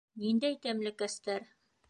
Ниндәй тәмлекәстәр?